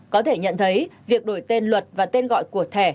có thể nhận thấy việc đổi tên luật và tên gọi của thẻ